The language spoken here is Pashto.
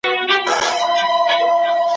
کور په کور کلي په کلي بوري وراري دي چي ګرزي `